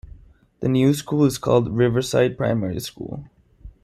The new school is called Riverside Primary School.